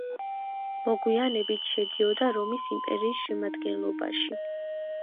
მოგვიანებით შედიოდა რომის იმპერიის შემადგენლობაში.